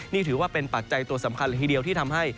นี่ถือว่าเป็นปัจจัยตัวสำคัญละทีเดียวที่ทำให้